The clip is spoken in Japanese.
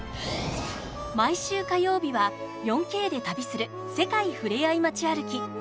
毎週火曜日は４Ｋで旅する「世界ふれあい街歩き」。